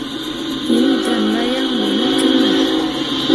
Hinni danra yaŋ ɓe te cume.